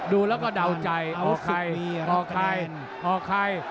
ดูแล้วก็เดาใจโอเคโอเคโอเคโอเค